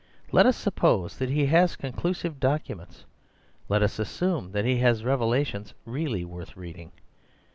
Let us suppose that he has conclusive documents. Let us assume that he has revelations really worth reading.